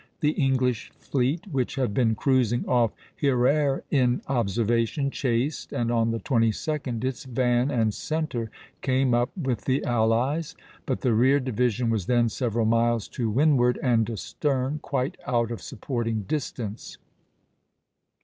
The English fleet, which had been cruising off Hyères in observation, chased, and on the 22d its van and centre came up with the allies; but the rear division was then several miles to windward and astern, quite out of supporting distance (Plate VII.